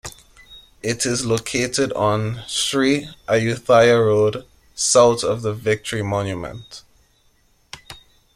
It is located on Sri Ayutthaya Road, south of the Victory Monument.